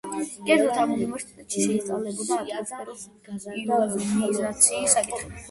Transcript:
კერძოდ ამ უნივერსიტეტში შეისწავლებოდა ატმოსფეროს იონიზაციის საკითხები.